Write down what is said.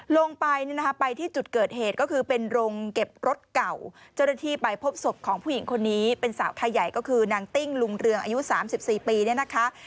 ลงไปไปที่จุดเกิดเหตุก็คือเป็นโรงเก็บรถเก่าเจ้าหน้าที่ไปพบศพของผู้หญิงคนนี้เป็นสาวไทยใหญ่ก็คือนางติ้งลุงเรืองอายุ๓๔ปีเนี่ยนะคะ